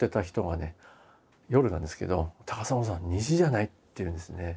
夜なんですけど「高砂さん虹じゃない？」って言うんですね。